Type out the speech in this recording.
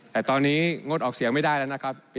แต่ตอนนี้งดออกเสียงไม่ได้แล้วนะครับ